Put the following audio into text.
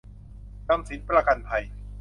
นำสินประกันภัย